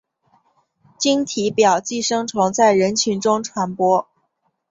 经体表寄生虫在人群中传播。